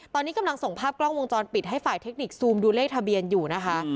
ตอนนี้กำลังส่งภาพกล้องวงจรปิดให้ฝ่ายเทคนิคซูมดูเลขทะเบียนอยู่นะคะ